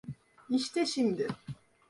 İşte şimdi.